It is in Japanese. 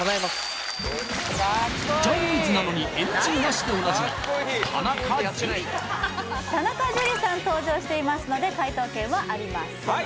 ジャニーズなのにＮＧなしでおなじみ田中樹さん登場していますので解答権はありません